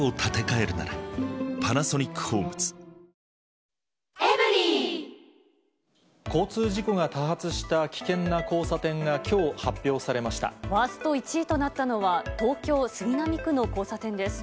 「ほんだし」で交通事故が多発した危険な交ワースト１位となったのは、東京・杉並区の交差点です。